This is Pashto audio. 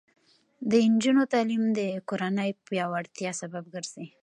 د نجونو تعلیم د کورنۍ پیاوړتیا سبب ګرځي.